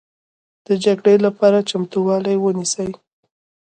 د جګړې لپاره چمتوالی ونیسئ